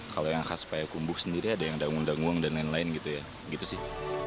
kalau yang khas payah kumbuh sendiri ada yang dangung dangung dan lain lain gitu ya gitu sih